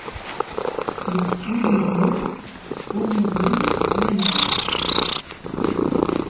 Nekk ur nednib, ur neḍlim, ay Ameɣlal!